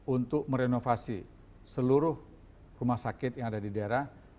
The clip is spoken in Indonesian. untuk merenovasi seluruh rumah sakit yang ada di daerah